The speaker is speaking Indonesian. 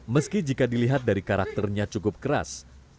meski jika dilihat dari karakternya cukup keras